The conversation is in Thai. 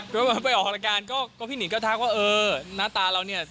ด้วยไปออกหลักการพี่นิงก็แทคว่าเออหน้าตาเราเนี่ย